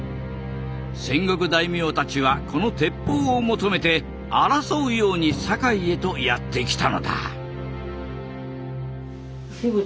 戦国大名たちはこの鉄砲を求めて争うように堺へとやって来たのだ。